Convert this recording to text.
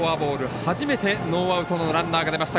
初めてノーアウトのランナーが出ました